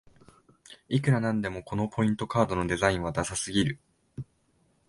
いくらなんでもこのポイントカードのデザインはダサすぎる